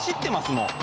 もう。